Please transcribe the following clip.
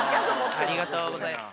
ありがとうございます。